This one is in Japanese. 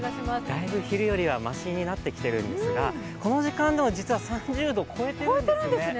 だいぶ昼よりはましになってきたんですがこの時間実は３０度超えているんですね。